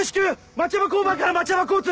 町山交番から町山交通！